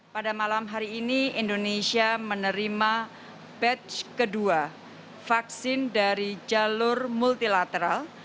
pada malam hari ini indonesia menerima batch kedua vaksin dari jalur multilateral